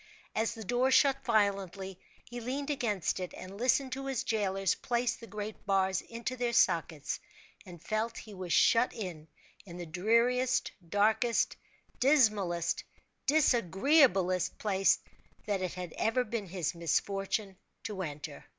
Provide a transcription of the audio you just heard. As the door shut violently, he leaned against it, and listened to his jailers place the great bars into their sockets, and felt he was shut in, in the dreariest, darkest, dismalest, disagreeablest place that it had ever been his misfortune to enter.